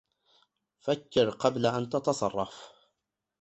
فكر قبل أن تتصرف!